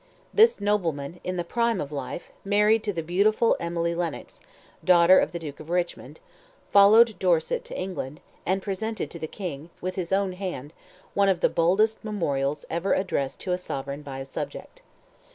This nobleman, in the prime of life, married to the beautiful Emily Lennox, daughter of the Duke of Richmond, followed Dorset to England, and presented to the King, with his own hand, one of the boldest memorials ever addressed to a sovereign by a subject.